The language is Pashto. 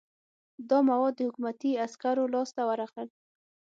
دا مواد د حکومتي عسکرو لاس ته ورغلل.